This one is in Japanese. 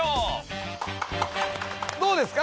どうですか？